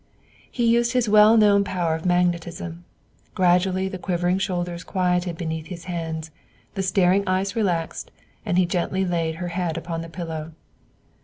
He used his well known power of magnetism. Gradually the quivering shoulders quieted beneath his hands; the staring eyes relaxed, and he gently laid her head upon the pillow.